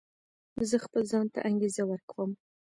زه خپل ځان ته انګېزه ورکوم.